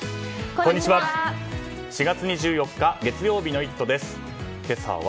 こんにちは。